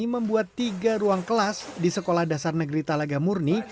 membuat tiga ruang kelas di sekolah dasar negeri talaga murni